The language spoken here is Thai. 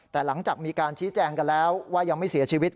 แต่หลังจากมีการชี้แจงกันแล้วว่ายังไม่เสียชีวิต